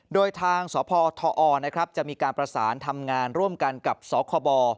โดยทางสพทอจะมีการประสานทำงานร่วมกันกับสคบ